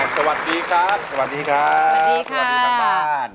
สวัสดีครับสวัสดีครับสวัสดีครับสวัสดีครับสวัสดีครับ